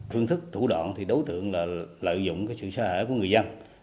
phương thức thủ đoạn thì đối tượng là lợi dụng sự sở hữu của người dân